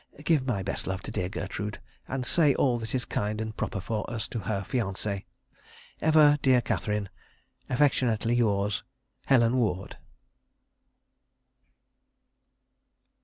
Give my best love to dear Gertrude, and say all that is kind and proper for us to her fiancée. Ever, dear Catherine, "Affectionately yours, "HELEN WARD."